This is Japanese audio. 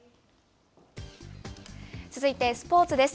続いてスポーツです。